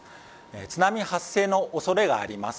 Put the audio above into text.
津波発生の恐れがあります。